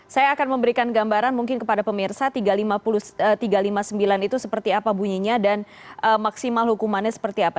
saya akan memberikan gambaran mungkin kepada pemirsa tiga ratus lima puluh sembilan itu seperti apa bunyinya dan maksimal hukumannya seperti apa